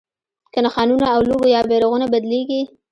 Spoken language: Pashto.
که نښانونه او لوګو یا بیرغونه بدلېږي.